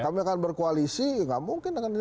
kami akan berkoalisi nggak mungkin dengan